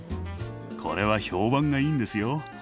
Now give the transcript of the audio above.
これは評判がいいんですよ。